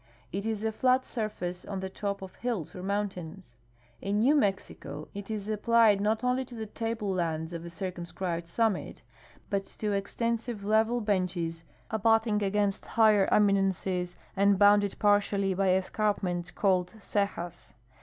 It is a flat surface on the top of hills or mountains. In New Mexico it is applied not only to the table lands of a circumscribed summit, but to ex tensive level benches abutting against higher eminences and bounded partially by escarpments called cejas.